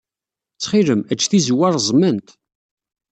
Ttxil-m, ejj tizewwa reẓment.